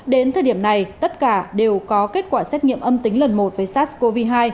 đến thời điểm này tất cả đều có kết quả xét nghiệm âm tính lần một với sars cov hai